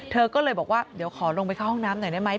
เธอก็เลยบอกว่าเดี๋ยวขอลงไปเข้าห้องน้ำหน่อยได้ไหม